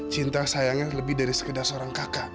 cinta sayangnya lebih dari sekedar seorang kakak